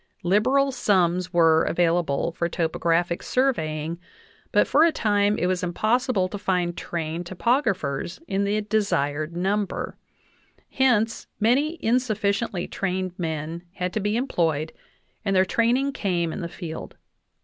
Liberal sums were, available for topographic sur veying, but for a time it was impossible to find trained topog raphers in the desired number; hence many insufficiently trained men had to be employed and their training came in the field.